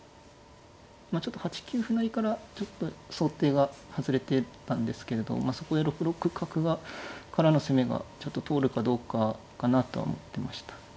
まあちょっと８九歩成から想定が外れてたんですけれどまあそこで６六角からの攻めがちょっと通るかどうかかなとは思ってました。